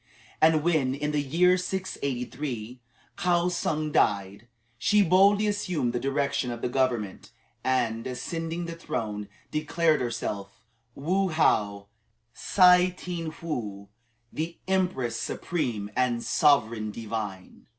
And when, in the year 683, Kaou tsung died, she boldly assumed the direction of the government, and, ascending the throne, declared herself Woo How Tsih tien Woo the Empress Supreme and Sovereign Divine.